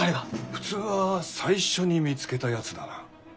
普通は最初に見つけたやつだな。